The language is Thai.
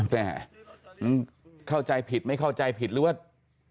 แต่เข้าใจผิดไม่เข้าใจผิดหรือว่า